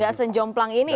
nggak sejomplang ini ya